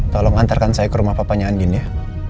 tolong antarkan saya ke rumah papanya andi ya